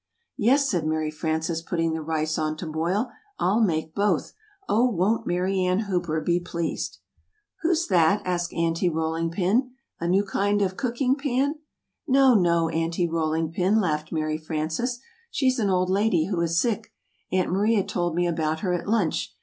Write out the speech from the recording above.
"Yes," said Mary Frances, putting the rice on to boil, "I'll make both. Oh, won't Mary Ann Hooper be pleased!" [Illustration: Use a plain boiler.] "Who's that?" asked Aunty Rolling Pin. "A new kind of cooking pan?" "No, no, Aunty Rolling Pin," laughed Mary Frances; "she's an old lady who is sick. Aunt Maria told me about her at lunch.